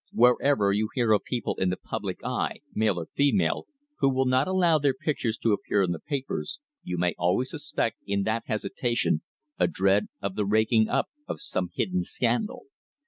Wherever you hear of people in the public eye, male or female, who will not allow their pictures to appear in the papers, you may always suspect in that hesitation a dread of the raking up of some hidden scandal.